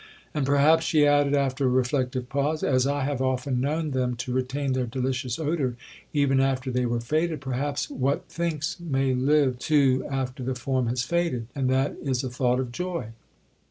'And perhaps,' she added, after a reflective pause, 'as I have often known them to retain their delicious odour even after they were faded, perhaps what thinks may live too after the form has faded, and that is a thought of joy.'